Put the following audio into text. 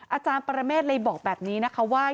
อาจารย์ปรเมฆเลยบอกแบบนี้นะคะว่า